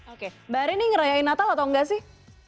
oke mbak arin nih ngerayain natal atau nggak sih